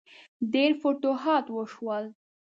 ډیر فتوحات وشول.